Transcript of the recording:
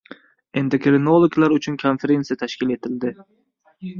Endokrinologlar uchun konferensiya tashkil etildi